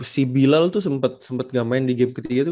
si bilal tuh sempat gak main di game ketiga itu